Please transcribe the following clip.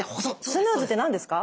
スヌーズって何ですか？